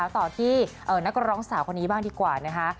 ต่อที่นักร้องสาวคนนี้บ้างดีกว่านะคะ